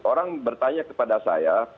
orang bertanya kepada saya